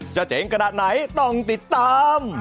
เจ๋งขนาดไหนต้องติดตาม